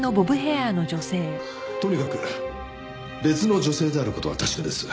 とにかく別の女性である事は確かです。